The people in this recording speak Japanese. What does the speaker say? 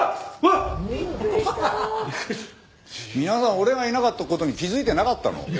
皆さん俺がいなかった事に気づいてなかったの？